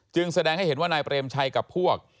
แสดงให้เห็นว่านายเปรมชัยกับพวก